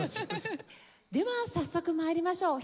では早速参りましょう。